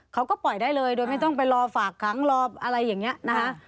เขาก็ปล่อยได้เลยโดยไม่ต้องไปรอฝากขังรออะไรอย่างนี้นะคะ